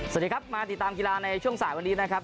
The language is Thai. สวัสดีครับมาติดตามกีฬาในช่วงสายวันนี้นะครับ